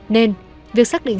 nên việc xác định